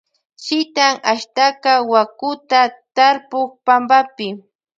Shitan ashtaka wakuta tarpuk pampapi.